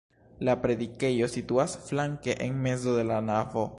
La predikejo situas flanke en mezo de la navo.